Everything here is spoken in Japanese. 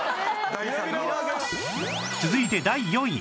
続いて第４位